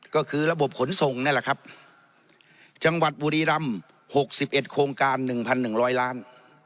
ก็คือระบบขนส่งนี่แหละครับจังหวัดบุรีรำ๖๑โครงการ๑๑๐๐ล้าน